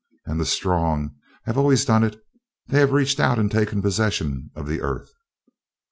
And the strong have always done it; they have reached out and taken possession of the earth.